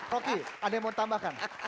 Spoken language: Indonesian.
hoki ada yang mau tambahkan